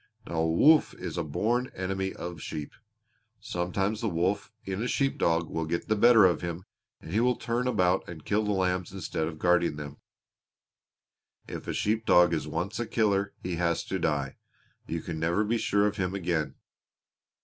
Now a wolf is a born enemy of sheep. Sometimes the wolf in a shepherd dog will get the better of him and he will turn about and kill the lambs instead of guarding them. If a sheep dog is once a killer he has to die. You can never be sure of him again.